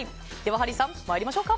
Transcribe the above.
ハリーさん参りましょうか。